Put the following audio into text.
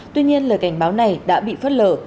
tuy nhiên lời cảnh báo này đã bị phớt lở